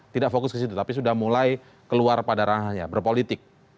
tidak fokus ke situ tapi sudah mulai keluar pada ranahnya berpolitik